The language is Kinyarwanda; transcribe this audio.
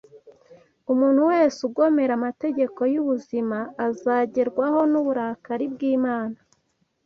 Umuntu wese ugomera amategeko y’ubuzima azagerwaho n’uburakari bw’Imana.